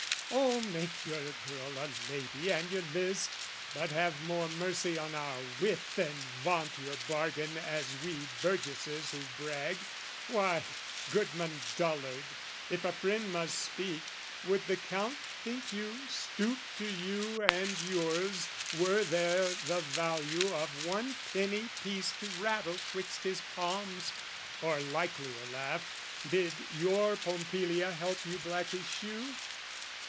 "Oh, make your girl a lady, an you list, "But have more mercy on our wit than vaunt "Your bargain as we burgesses who brag! "Why, Goodman Dullard, if a friend must speak, "Would the Count, think you, stoop to you and yours "Were there the value of one penny piece "To rattle 'twixt his palms or likelier laugh, "Bid your Pompilia help you black his shoe?"